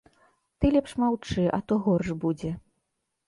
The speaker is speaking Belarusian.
Ты лепш маўчы, а то горш будзе.